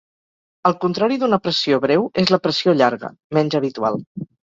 El contrari d'una pressió breu és la pressió llarga, menys habitual.